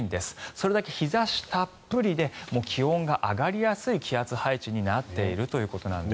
それだけ日差したっぷりで気温が上がりやすい気圧配置になっているということです。